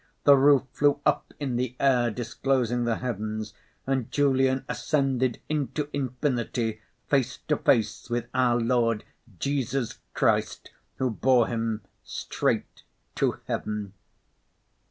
The roof flew up in the air, disclosing the heavens, and Julian ascended into infinity face to face with our Lord Jesus Christ, who bore him straight to heaven.